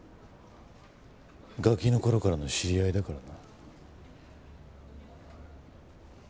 ガキの頃からの知り合いだからな。